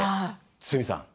堤さん！